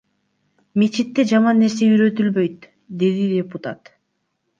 Мечитте жаман нерсе үйрөтүлбөйт, — деди депутат.